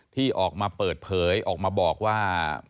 ที่ออกมาเปิดเผยออกมาบอกว่า